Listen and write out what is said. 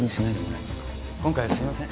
いやすいません。